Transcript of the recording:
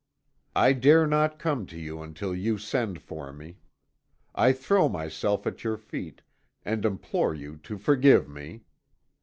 "I dare not come to you until you send for me. I throw myself at your feet, and implore you to forgive me.